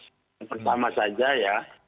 yang pertama saja ya